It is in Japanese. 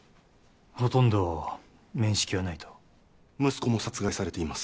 ほとんど面識はないと息子も殺害されています